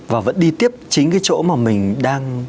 và vẫn đi tiếp chính cái chỗ mà mình đang